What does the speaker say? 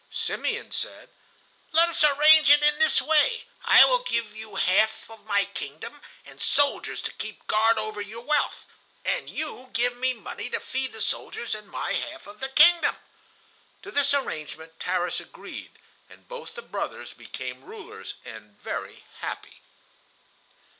Simeon said: "Let us arrange it in this way: I will give you the half of my kingdom, and soldiers to keep guard over your wealth; and you give me money to feed the soldiers in my half of the kingdom." To this arrangement Tarras agreed, and both the brothers became rulers and very happy.